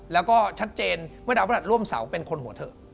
แล้วก็ชัดเจนเมื่อดาวพระหัสร่วมเสาเป็นคนหัวเถอะ